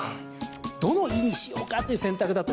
どの「い」にしようかという選択だと。